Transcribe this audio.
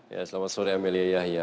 ya selamat sore amelia yahya